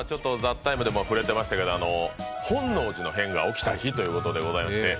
今日は「ＴＨＥＴＩＭＥ，」でも触れてましたけど本能寺の変が起きた日ということでございまして。